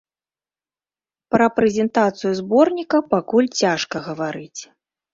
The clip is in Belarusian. Пра прэзентацыю зборніка пакуль цяжка гаварыць.